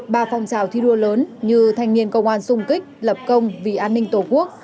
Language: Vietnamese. ba phong trào thi đua lớn như thanh niên công an xung kích lập công vì an ninh tổ quốc